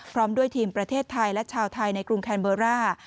พร้อมด้วยทีมประเทศไทยและชาวไทยในกรุงแคนเบอร์ร่า